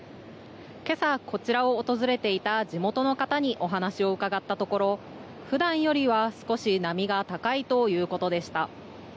今朝、こちらを訪れていた地元の方にお話を伺ったところ普段よりは少し波が高いということでした。